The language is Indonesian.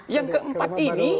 yang keempat ini